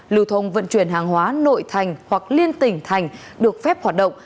lưu thông vận chuyển hàng hóa nội thành hoặc liên tỉnh thành được phép hoạt động